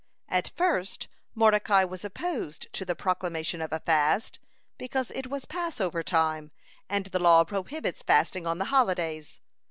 At first Mordecai was opposed to the proclamation of a fast, because it was Passover time, and the law prohibits fasting on the holidays.